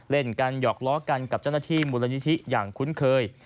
เล่นกันหยอกล้อกันกับเจ้าหน้าที่มูลนิธิอย่างคุ้นเคย